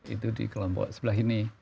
itu di kelompok sebelah ini